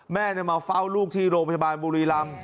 แม่มันมาเฟ้าลูกที่โรงพยาบาลบูรีรัม